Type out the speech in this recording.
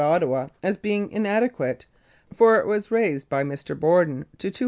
1914 Ottawa as being inadequate, for it was raised by Mr. Borden to $250,000.